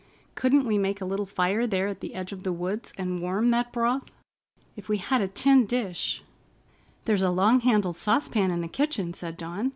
Couldn't we make a little fire there at the edge of the woods and warm that broth? If we had a tin dish——" "There's a long handled saucepan in the kitchen," said Dawn.